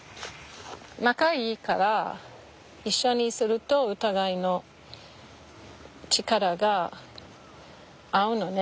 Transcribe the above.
仲いいから一緒にするとお互いの力が合うのね